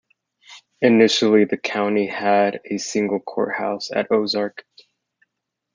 Initially, the county had a single courthouse at Ozark.